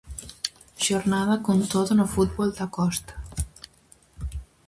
Xornada con todo no fútbol da Costa.